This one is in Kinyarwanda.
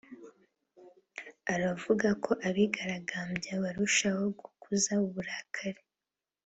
aravuga ko abigaragambya barushaho gukaza uburakari